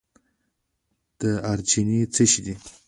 دارچینی څه شی دی؟